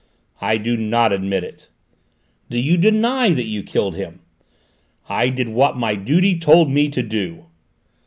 "I do not admit it." "Do you deny that you killed him?" "I did what my duty told me to do!"